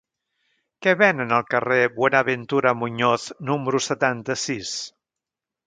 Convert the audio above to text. Què venen al carrer de Buenaventura Muñoz número setanta-sis?